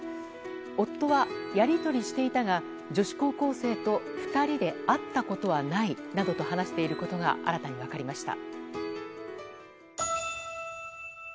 夫は、やり取りしていたが女子高校生と２人で会ったことはないなどと話していることが新たに分かりました。